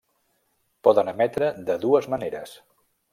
Poden emetre de dues maneres.